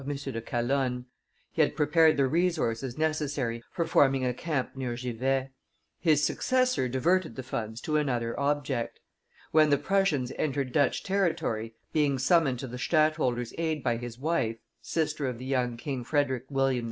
de Calonne; he had prepared the resources necessary for forming a camp near Givet; his successor diverted the funds to another object. When the Prussians entered Dutch territory, being summoned to the stadtholder's aid by his wife, sister of the young King Frederick William II.